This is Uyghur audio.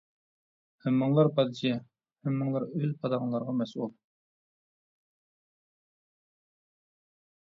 ھەممىڭلار پادىچى، ھەممىڭلار ئۆز پاداڭلارغا مەسئۇل!